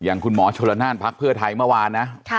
อย่างคุณหมอชนน่านพักเพื่อไทยเมื่อวานนะค่ะ